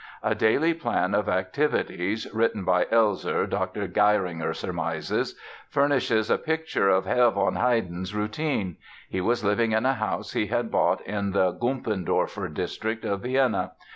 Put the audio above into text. A daily plan of activities (written by Elssler, Dr. Geiringer surmises) furnishes a picture of "Herr von Haydn's" routine. He was living in a house he had bought in the "Gumpendorfer" district of Vienna.